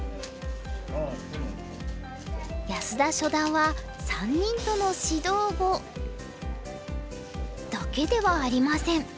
安田初段は３人との指導碁だけではありません。